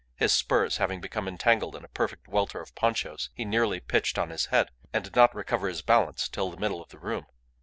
His spurs having become entangled in a perfect welter of ponchos he nearly pitched on his head, and did not recover his balance till the middle of the room.